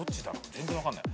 全然分かんない。